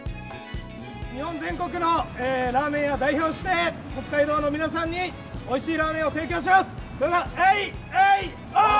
日本全国のラーメン屋を代表して、北海道の皆さんにおいしいラーメンを提供します。